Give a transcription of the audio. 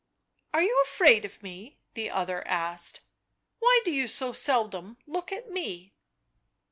" Are you afraid of me?" the other asked. " Why do you so seldom look at me?"